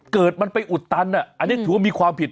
เกิดมันไปอุดตันอันนี้ถือว่ามีความผิด